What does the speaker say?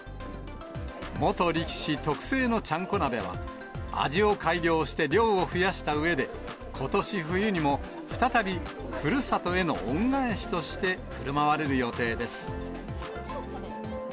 元力士特製のちゃんこ鍋は、味を改良して、量を増やしたうえで、ことし冬にも再びふるさとへの恩返しとしてふるまわれる予定です。